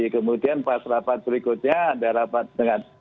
kemudian pas rapat berikutnya ada rapat dengan